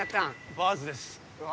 バーズですうわ